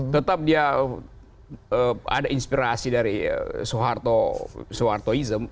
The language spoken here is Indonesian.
tetap dia ada inspirasi dari soeharto soeharto